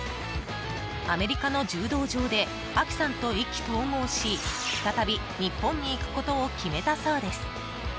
アメリカの柔道場でアキさんと意気投合し再び日本に行くことを決めたそうです。